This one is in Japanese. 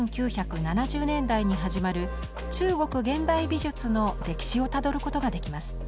１９７０年代に始まる中国現代美術の歴史をたどることができます。